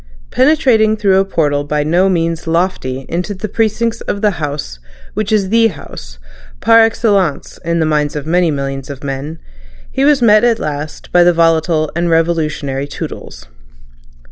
Penetrating through a portal by no means lofty into the precincts of the House which is the House, par excellence in the minds of many millions of men, he was met at last by the volatile and revolutionary Toodles.